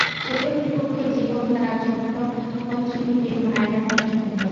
ছেলেটির পক্ষে এই জীবনে তার স্বপ্নসঙ্গিনীর মায়া কাটানো সম্ভব না।